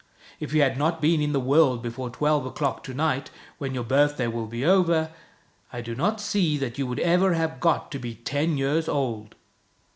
If you had not been in the world before twelve o'clock to night, when your birthday will be over, I do not see that you would ever have got to be ten years old."